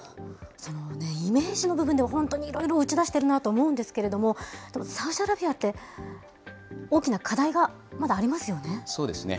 イメージの部分でも本当にいろいろ打ち出しているなと思うんですけれども、でもサウジアラビアって、大きな課題がまだありまそうですね。